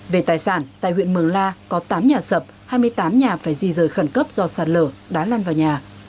về tài sản tại huyện mường la có tám nhà sập hai mươi tám nhà phải di rời khẩn cấp do sạt lở đá lăn vào nhà